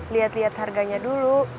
liat liat harganya dulu